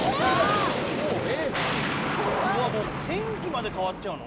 うわっもう天気まで変わっちゃうの？